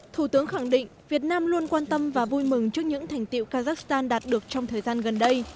thủ tướng khẳng định việt nam luôn quan tâm và vui mừng trước những thành tiệu kazakhstan đạt được trong thời gian gần đây